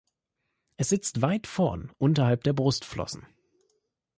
Es sitzt weit vorn unterhalb der Brustflossen.